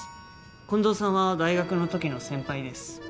近藤さんは大学のときの先輩です。